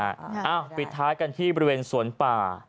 อ้าวปิดท้ายกันที่บริเวณสวนป่า